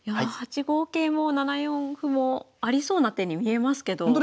８五桂も７四歩もありそうな手に見えますけど。